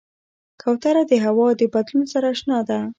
کوتره د هوا د بدلون سره اشنا ده.